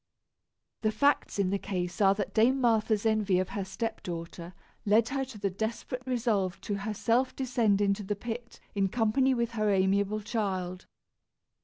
The facts in the case are that Dame Martha's envy of her step daughter led her to the desperate resolve to herself descend into the pit in company with her amiable child.